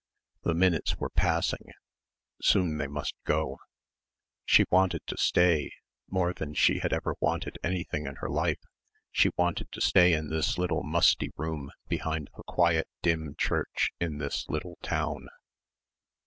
The minutes were passing; soon they must go. She wanted to stay ... more than she had ever wanted anything in her life she wanted to stay in this little musty room behind the quiet dim church in this little town.